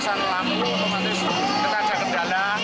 kita ada kendala